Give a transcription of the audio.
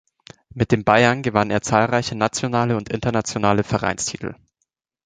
Mit den Bayern gewann er zahlreiche nationale und internationale Vereinstitel.